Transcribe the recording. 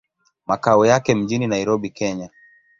Makao yake mjini Nairobi, Kenya.